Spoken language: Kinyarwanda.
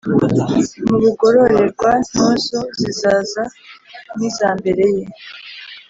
mu bugororerwa-ntozo, zizaza n’iza mbere ye,